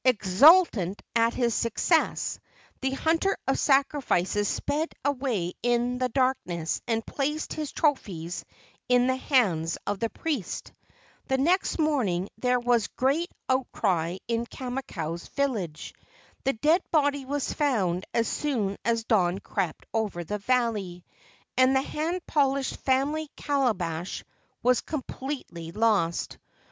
Exul¬ tant at his success, the hunter of sacrifices sped away in the darkness and placed his trophies in the hands of the priest. The next morning there was a great outcry in Kamakau's village. The dead body was found as soon as dawn crept over the valley, and the hand polished family calabash was completely lost.